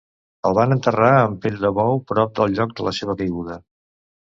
El van enterrar amb pell de bou prop del lloc de la seva caiguda.